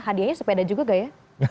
hadiahnya sepeda juga gak ya